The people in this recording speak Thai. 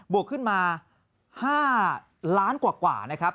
วกขึ้นมา๕ล้านกว่านะครับ